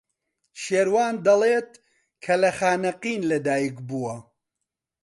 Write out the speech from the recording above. شێروان دەڵێت کە لە خانەقین لەدایک بووە.